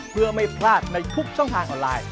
เพื่อไม่พลาดในทุกช่องทางออนไลน์